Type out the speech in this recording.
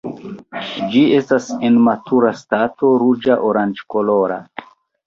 Ĝi estas en matura stato ruĝa-oranĝkolora.